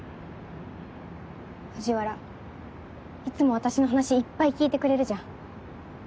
藤原いつも私の話いっぱい聞いてくれるじゃん。